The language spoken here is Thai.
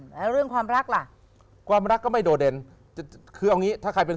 แล้วเรื่องความรักล่ะความรักก็ไม่โดดเด่น